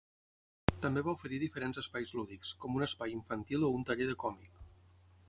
També va oferir diferents espais lúdics, com un espai infantil o un taller de còmic.